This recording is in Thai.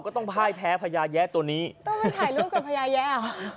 ต้องไปถ่ายรูปกันพญาแย๊หรอ